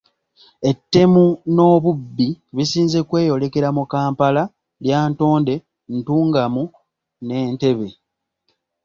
Ettemu n'obubbi bisinze kweyolekera mu Kampala, Lyantonde, Ntungamo ne Entebbe.